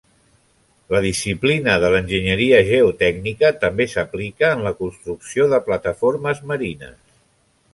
La disciplina de l'enginyeria geotècnica també s'aplica en la construcció de plataformes marines.